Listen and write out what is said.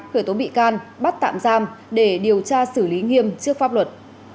khởi tố bị can bắt tạm giam để điều tra xử lý nghiêm trước pháp luật